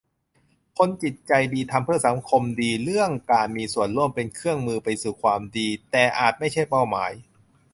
คนจิตใจดีทำเพื่อสังคมดี เรื่องการมีส่วมร่วมเป็นเครื่องมือไปสู่ความดี แต่อาจไม่ใช่เป้าหมาย